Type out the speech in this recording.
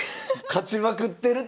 勝ちまくってる。